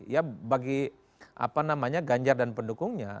ya bagi apa namanya ganjar dan pendukungnya